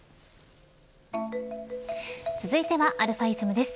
続いてはαｉｓｍです。